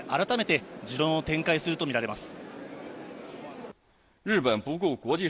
処理水について改めて持論を展開するとみられます。